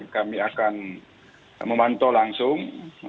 kami akan memantau langsung